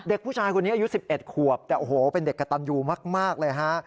เด็กผู้ชายคนนี้อายุ๑๑ขวบแต่โอ้โหเป็นเด็กกระตันยูมากเลยฮะ